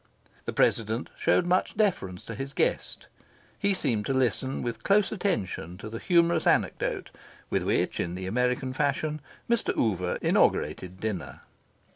The President showed much deference to his guest. He seemed to listen with close attention to the humorous anecdote with which, in the American fashion, Mr. Oover inaugurated dinner.